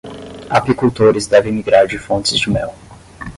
Apicultores devem migrar de fontes de mel